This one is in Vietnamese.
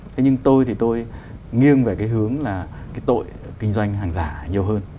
thế nhưng tôi thì tôi nghiêng về cái hướng là cái tội kinh doanh hàng giả nhiều hơn